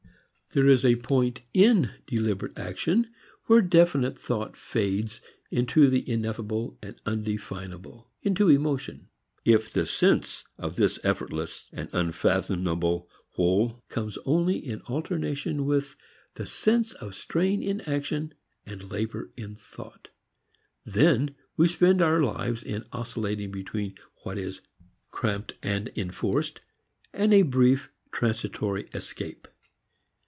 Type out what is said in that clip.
There is a point in deliberate action where definite thought fades into the ineffable and undefinable into emotion. If the sense of this effortless and unfathomable whole comes only in alternation with the sense of strain in action and labor in thought, then we spend our lives in oscillating between what is cramped and enforced and a brief transitory escape.